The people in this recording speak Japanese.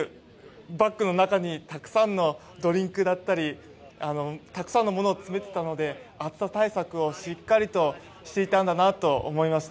バックの中にたくさんのドリンクだったりたくさんのものを詰めていたので暑さ対策をしっかりとしていたんだなと思いました。